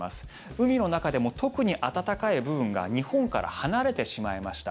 海の中でも特に暖かい部分が日本から離れてしまいました。